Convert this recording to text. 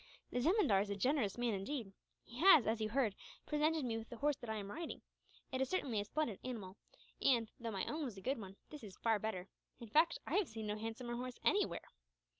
"The zemindar is a generous man, indeed. He has, as you heard, presented me with the horse that I am riding. It is certainly a splendid animal and, though my own was a good one, this is far better. In fact, I have seen no handsomer horse, anywhere.